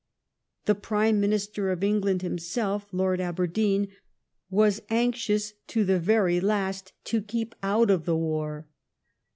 The Prime Minister of England himself, Lord Aberdeen, was anxious to the very last to keep out of the war.